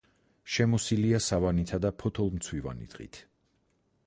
შემოსილია სავანითა და ფოთოლმცვივანი ტყით.